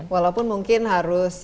walaupun mungkin harus